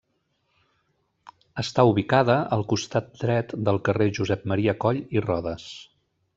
Està ubicada al costat dret del carrer Josep Maria Coll i Rodes.